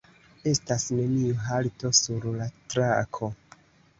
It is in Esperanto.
Estas neniu halto sur la trako.